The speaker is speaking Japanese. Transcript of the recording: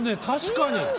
確かに。